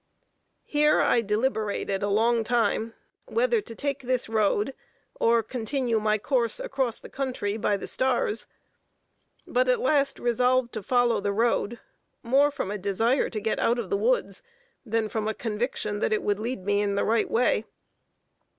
Here I deliberated a long time, whether to take this road, or continue my course across the country by the stars; but at last resolved to follow the road, more from a desire to get out of the woods, than from a conviction that it would lead me in the right way.